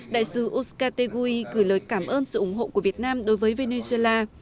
đại sứ oscar teguy gửi lời cảm ơn sự ủng hộ của việt nam đối với venezuela